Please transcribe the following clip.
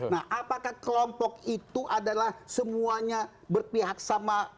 nah apakah kelompok itu adalah semuanya berpihak sama